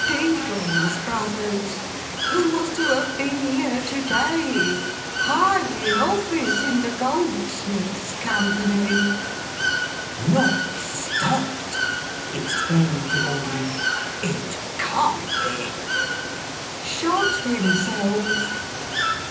'Deedles Brothers—who was to have been here to day—high in office in the Goldsmiths' Company—' 'Not stopped!' exclaimed the Alderman, 'It can't be!' 'Shot himself.